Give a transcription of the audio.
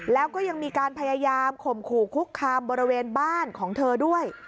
แล้วก็ยังมีการพยายามข่มขู่คุกคามบริเวณบ้านของเธอด้วย